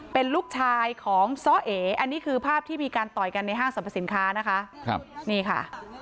เป็นลูกชายของซ้อเออันนี้คือภาพที่มีการต่อยกันในห้างสรรพสินค้านะคะนี่ค่ะ